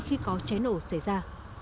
khi có cháy nổ xảy ra